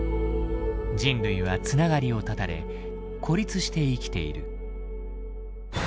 人類は繋がりを断たれ孤立して生きている。